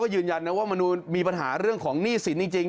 ยืนยันนะว่ามนูลมีปัญหาเรื่องของหนี้สินจริง